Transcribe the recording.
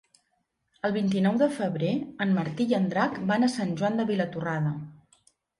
El vint-i-nou de febrer en Martí i en Drac van a Sant Joan de Vilatorrada.